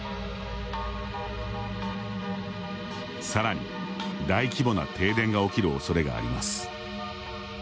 さらに、大規模な停電が起きる恐れがあります。